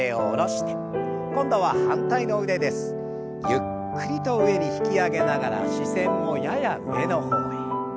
ゆっくりと上に引き上げながら視線もやや上の方へ。